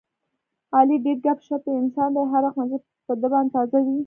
علي ډېر ګپ شپي انسان دی، هر وخت مجلس په ده باندې تازه وي.